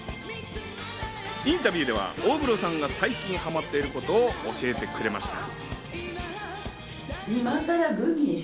インタビューでは大黒さんが最近ハマっていることを教えてくれました。